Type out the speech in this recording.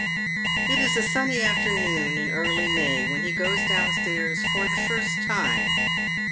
It is a sunny afternoon in early May when he goes downstairs for the first time.